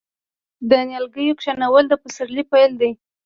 د نیالګیو کینول د پسرلي پیل دی.